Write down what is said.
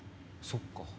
そっか。